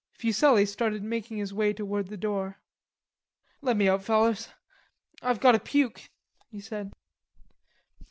Fuselli started making his way toward the door. "Lemme out, fellers, I've got to puke," he said.